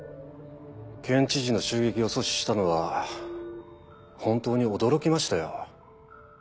県知事の襲撃を阻止したのは本当に驚きましたよ。